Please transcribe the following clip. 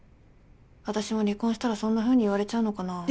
私も離婚したらそんなふうに言われちゃうのかな。